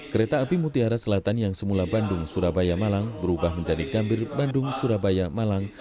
kereta api mutiara selatan yang semula bandung surabaya malang berubah menjadi gambir bandung surabaya malang